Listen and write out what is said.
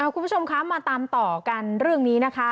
คุณผู้ชมคะมาตามต่อกันเรื่องนี้นะคะ